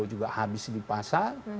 juga habis di pasar